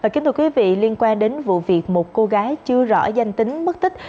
kính thưa quý vị liên quan đến vụ việc một cô gái chưa rõ danh tính mất tích